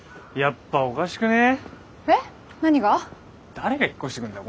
誰が引っ越してくんだよ